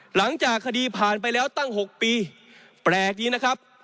หลังจากคดีผ่านไปแล้วตั้ง๖ปีแปลกดีนะครับ